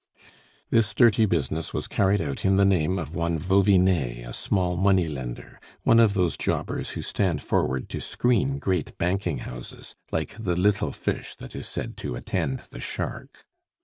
This dirty business was carried out in the name of one Vauvinet, a small money lender; one of those jobbers who stand forward to screen great banking houses, like the little fish that is said to attend the shark.